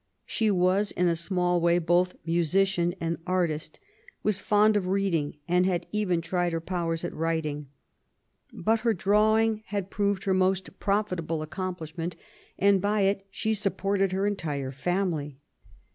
She was in a small way both musician and artist, was fond of reading, and had even tried her powers at writing. But her drawing had proved her CHILDHOOD AND EARLY YOUTH. 15 most profitable accomplishment, and by it she sup ported her entire family.